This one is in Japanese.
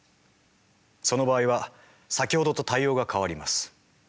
その場合は先ほどと対応が変わります。